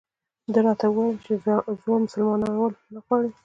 ده راته وویل چې په زور مسلمانول نه غواړي.